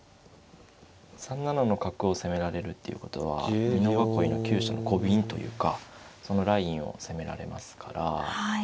３七の角を攻められるっていうことは美濃囲いの急所のコビンというかそのラインを攻められますから。